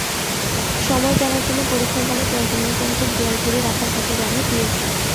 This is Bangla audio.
সময় জানার জন্য পরীক্ষার হলে প্রয়োজনীয়সংখ্যক দেয়ালঘড়ি রাখার কথা জানায় পিএসসি।